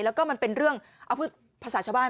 แล้วก็มันเป็นเรื่องเอาพูดภาษาชาวบ้าน